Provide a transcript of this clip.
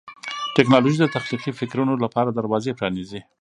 ټیکنالوژي د تخلیقي فکرونو لپاره دروازې پرانیزي.